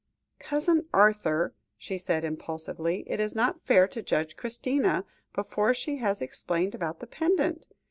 "Cousin Arthur," she said impulsively, "it is not fair to judge Christina, before she has explained about the pendant.